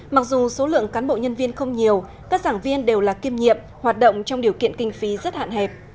mặc dù số lượng cán bộ nhân viên không nhiều các giảng viên đều là kiêm nhiệm hoạt động trong điều kiện kinh phí rất hạn hẹp